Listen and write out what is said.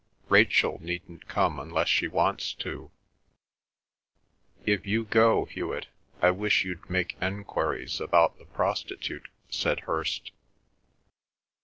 "Rachel needn't come unless she wants to." "If you go, Hewet, I wish you'd make enquiries about the prostitute," said Hirst.